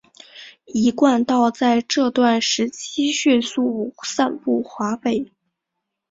一贯道在这段时期迅速散布华北。